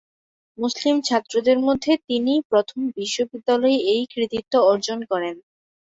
মুসলিম ছাত্রদের মধ্যে তিনিই প্রথম বিশ্ববিদ্যালয়ে এই কৃতিত্ব অর্জন করেন।